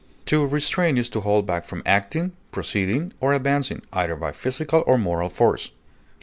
To restrain is to hold back from acting, proceeding, or advancing, either by physical or moral force.